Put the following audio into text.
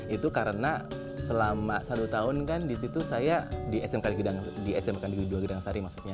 itu karena selama satu tahun kan di situ saya di smk di gedang sari